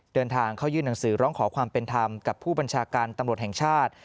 เดินทางเข้ายื่นหนังสือร้องขอความเป็นธรรมกับผู้บัญชาการตำรวจแห่งชาติ